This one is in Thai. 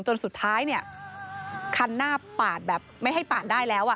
จนสุดท้ายเนี่ยคันหน้าปาดแบบไม่ให้ปาดได้แล้วอ่ะ